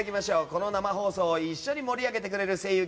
この生放送を一緒に盛り上げてくれる声優